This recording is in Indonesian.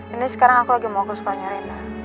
ini sekarang aku lagi mau ke sekolahnya rina